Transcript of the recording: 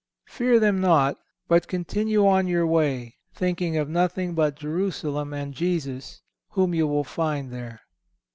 Fear them not, but continue on your way thinking of nothing but Jerusalem and Jesus, whom you will find there.